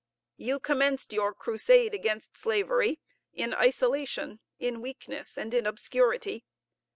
"You commenced your crusade against slavery in isolation, in weakness, and in obscurity.